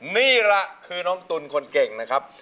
นี่แหละคือน้องตุ๋นคนเก่งนะครับ